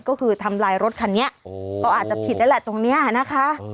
ก็คือทำลายรถคันนี้ก็อาจจะผิดนั่นแหละตรงนี้นะคะ